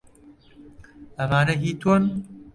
ئەمانە هیی تۆن؟